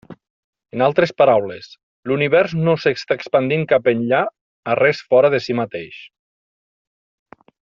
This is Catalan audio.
En altres paraules: l'univers no s'està expandint cap enllà a res fora de si mateix.